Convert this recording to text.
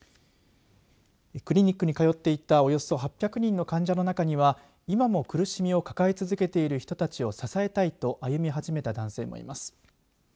クリニックに通っていたおよそ８００人の患者の中には今も苦しみを抱え続けている人たちを支えたいと歩み始めた男性もいます。